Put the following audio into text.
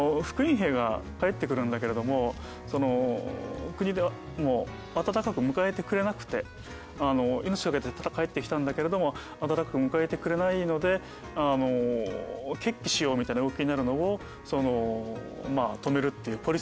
復員兵が帰ってくるんだけれども国でもう温かく迎えてくれなくて命懸けて帰ってきたんだけれども温かく迎えてくれないので決起しようみたいな動きになるのを止めるっていう。